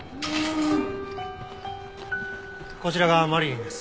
こちらがマリリンです。